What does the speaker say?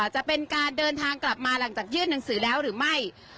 จะเป็นการเดินทางกลับมาหลังจากยื่นหนังสือแล้วหรือไม่